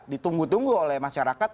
ditunggu tunggu oleh masyarakat